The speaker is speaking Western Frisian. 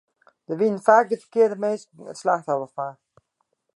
Dêr wienen faak de ferkearde minsken it slachtoffer fan.